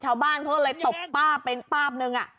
ชาวบ้านเขาก็เลยตบป้าเป็นป้าบนึง